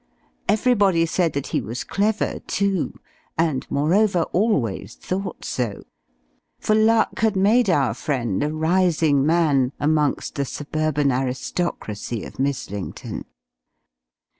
Everybody said that he was clever, too and, moreover, always thought so; for luck had made our friend a rising man amongst the suburban aristocracy of Mizzlington.